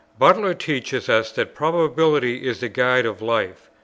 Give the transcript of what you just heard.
Butler teaches us that probability is the guide of life.